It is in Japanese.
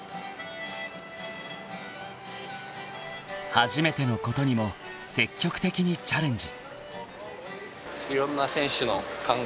［初めてのことにも積極的にチャレンジ］